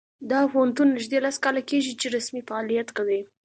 دا پوهنتون نږدې لس کاله کیږي چې رسمي فعالیت کوي